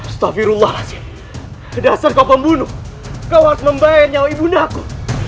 kau tidak perlu membela aku lagi